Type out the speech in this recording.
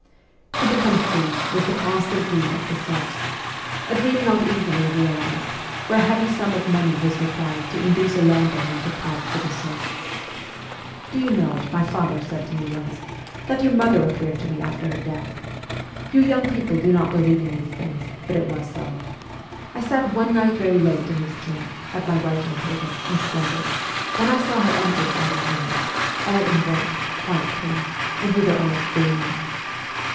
To become free was the constant dream of the serfs a dream not easily realized, for a heavy sum of money was required to induce a landowner to part with a serf. ' Do you know,' my father said to me once, ' that your mother appeared to me after her death ? You young people do not believe in these things, but it was so. I sat one night very late in this chair, at my writing table, and slumbered, when I saw her enter from behind, all in white, quite pale, and with her eyes gleaming.